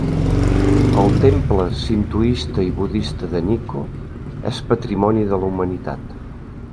El temple sintoista i budista de Nikko és patrimoni de la Humanitat.